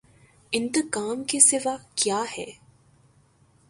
انتقام کے سوا کیا ہے۔